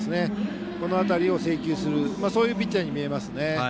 この辺りを制球するピッチャーに見えますね。